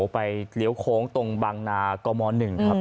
เลี้ยวโค้งตรงบางนากม๑ครับ